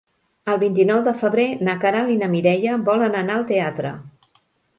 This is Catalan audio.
El vint-i-nou de febrer na Queralt i na Mireia volen anar al teatre.